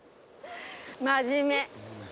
真面目。